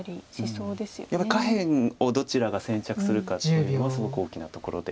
やっぱり下辺をどちらが先着するかっていうのもすごく大きなところで。